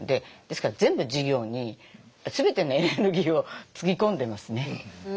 ですから全部事業に全てのエネルギーをつぎ込んでいますね。